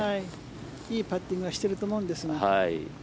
いいパッティングをしていると思うんですが。